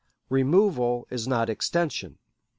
Removal is not extension.